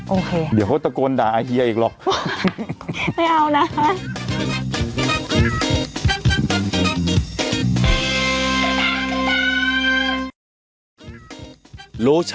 โอเคเดี๋ยวเขาตะโกนด่าไอเฮียอีกหรอกไม่เอานะคะ